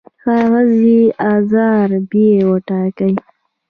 کاغذ یې ارزان بیه وټاکئ.